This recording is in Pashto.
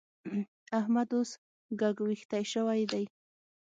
احمد اوس ګږوېښتی شوی دی.